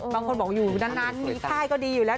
บางคนบอกอยู่นานมีค่ายก็ดีอยู่แล้ว